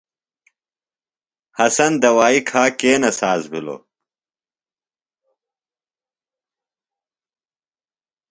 حسن دوائی کھا کینہ ساز بِھلوۡ ؟